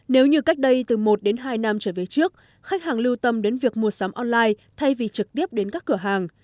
nếu như cách đây từ một đến hai năm trở về trước khách hàng lưu tâm đến việc mua sắm online thay vì trực tiếp đến các cửa hàng